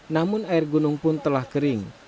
namun air gunung pun telah kering